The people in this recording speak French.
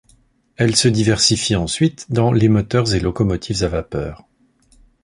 Elle se diversifie ensuite dans les moteurs et locomotives à vapeur.